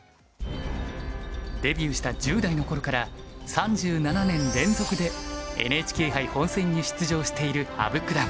デビューした１０代の頃から３７年連続でＮＨＫ杯本戦に出場している羽生九段。